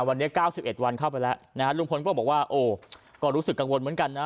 วันนี้๙๑วันเข้าไปแล้วนะฮะลุงพลก็บอกว่าโอ้ก็รู้สึกกังวลเหมือนกันนะ